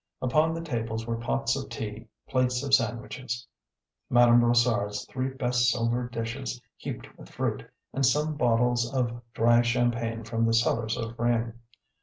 Upon the tables were pots of tea, plates of sandwiches, Madame Brossard's three best silver dishes heaped with fruit, and some bottles of dry champagne from the cellars of Rheims.